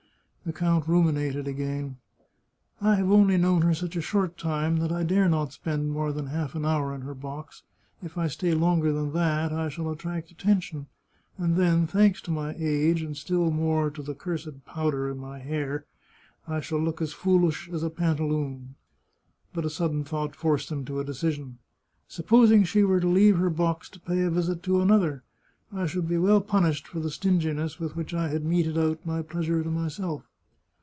The count ruminated again :" I have only known her such a short time that I dare not spend more than half an hour in her box. If I stay longer than that I shall attract at tention, and then, thanks to my age, and still more to the cursed powder in my hair, I shall look as foolish as a panta loon !" But a sudden thought forced him to a decision, " Supposing she were to leave her box to pay a visit to an other ; I should be well punished for the stinginess with which I had meted out my pleasure to myself